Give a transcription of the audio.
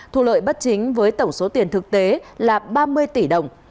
thu lợi bất chính với tổng số tiền thực tế là ba mươi tỷ đồng